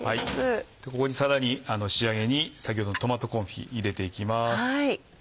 ここでさらに仕上げに先ほどのトマトコンフィ入れていきます。